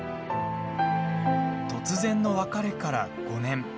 突然の別れから５年。